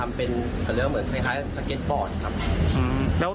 ไม่มีรอยไฟไหม้